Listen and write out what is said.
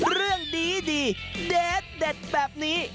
เรื่องดีเด็ดแบบนี้